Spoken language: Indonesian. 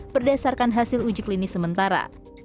berdasarkan hasil uji klinis sementara